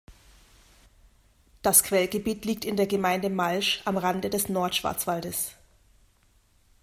Das Quellgebiet liegt in der Gemeinde Malsch am Rande des Nordschwarzwaldes.